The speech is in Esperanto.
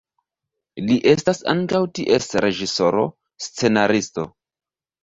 Li estas ankaŭ ties reĝisoro, scenaristo.